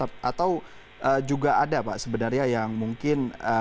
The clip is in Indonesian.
atau juga ada pak sebenarnya yang mungkin